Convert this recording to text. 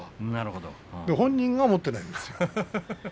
本人が思ってないんですね。